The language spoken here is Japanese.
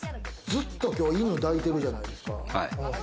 ずっと今日、犬抱いてるじゃないですか。